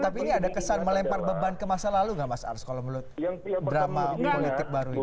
tapi ini ada kesan melempar beban ke masa lalu nggak mas ars kalau menurut drama politik baru ini